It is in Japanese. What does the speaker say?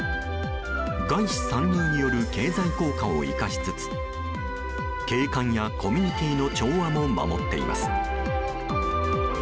外資参入による経済効果を生かしつつ景観やコミュニティーの調和も守っています。